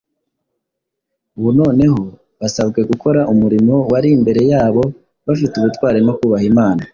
ubu noneho basabwe gukora umurimo wari imbere yabo bafite ubutwari no kubaha Imana.